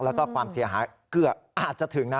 แล้วก็ความเสียหายเกือบอาจจะถึงนะ